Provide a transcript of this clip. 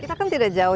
kita kan tidak jauh